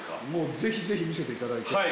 ぜひぜひ見せていただいて。